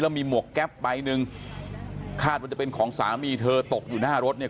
มีหมวกแก๊ปใบหนึ่งคาดว่าจะเป็นของสามีเธอตกอยู่หน้ารถเนี่ย